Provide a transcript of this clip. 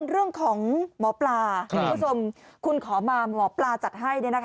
เรื่องของหมอปลาคุณผู้ชมคุณขอมาหมอปลาจัดให้